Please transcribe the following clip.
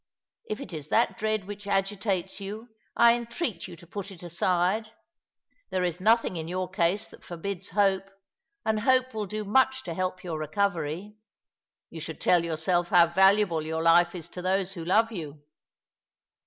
If it is that dread which agitates you I entreat you to put it aside. There is nothing in your case that forbids hope, and hope will do much to help your recovery. You should tell yourself how valuable your life is to those who love you.